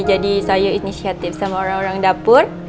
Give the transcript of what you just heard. jadi saya inisiatif sama orang orang dapur